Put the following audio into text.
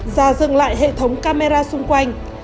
già dừng lại hệ thống camera xung quanh